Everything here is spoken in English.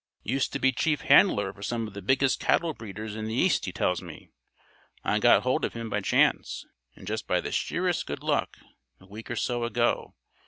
Used to be chief handler for some of the biggest cattle breeders in the East he tells me. I got hold of him by chance, and just by the sheerest good luck, a week or so ago.